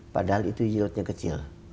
padahal itu yieldnya kecil